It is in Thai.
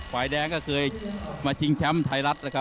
ฝ่ายแดงก็เคยมาชิงแชมป์ไทยรัฐ